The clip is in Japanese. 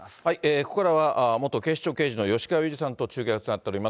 ここからは、元警視庁刑事の吉川祐二さんと中継がつながっています。